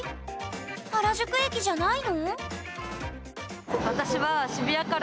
原宿駅じゃないの？